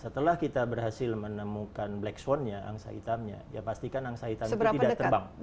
setelah kita berhasil menemukan black sponnya angsa hitamnya ya pastikan angsa hitam itu tidak terbang